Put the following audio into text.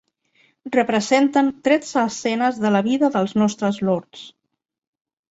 Representen tretze escenes de la vida dels nostres Lords.